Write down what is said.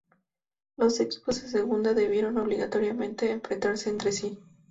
Los equipos de Segunda debieron, obligatoriamente, enfrentarse entre sí.